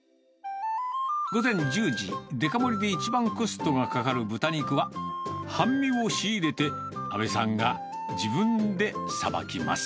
午前１０時、デカ盛りで一番コストがかかる豚肉は、半身を仕入れて、阿部さんが自分でさばきます。